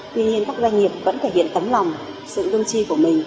tuy nhiên các doanh nghiệp vẫn thể hiện tấm lòng sự lương tri của mình